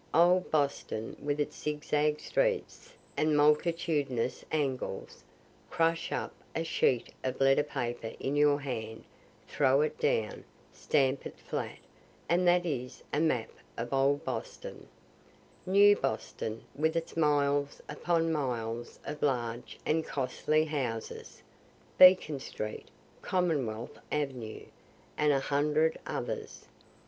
Old Boston with its zigzag streets and multitudinous angles, (crush up a sheet of letter paper in your hand, throw it down, stamp it flat, and that is a map of old Boston) new Boston with its miles upon miles of large and costly houses Beacon street, Commonwealth avenue, and a hundred others.